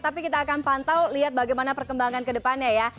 tapi kita akan pantau lihat bagaimana perkembangan kedepannya ya